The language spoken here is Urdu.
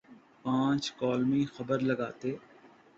پانچ کالمی خبر لگاتے۔